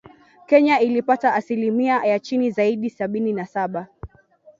Kenya ilipata asilimia ya chini zaidi ya Sabini na saba